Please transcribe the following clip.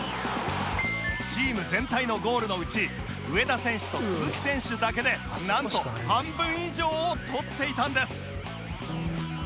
チーム全体のゴールのうち上田選手と鈴木選手だけでなんと半分以上を取っていたんです